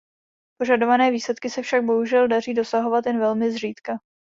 Požadované výsledky se však, bohužel, daří dosahovat jen velmi zřídka.